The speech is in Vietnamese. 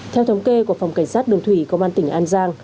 theo thống kê của phòng cảnh sát đường thủy công an tỉnh an giang